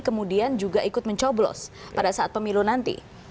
kemudian juga ikut mencoblos pada saat pemilu nanti